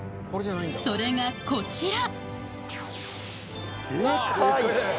それがこちら！